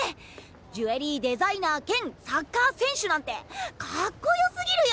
ジュエリーデザイナー兼サッカー選手なんてかっこよすぎるよ！